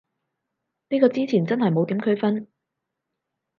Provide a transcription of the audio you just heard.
呢個之前真係冇點區分